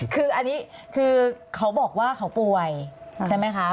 คืออันนี้คือเขาบอกว่าเขาป่วยใช่ไหมคะ